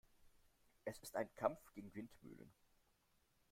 Es ist ein Kampf gegen Windmühlen.